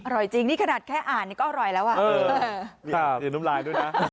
อร่อยจริงนี่ขนาดแค่อ่านก็อร่อยแล้วอย่านุ้มลายด้วยนะ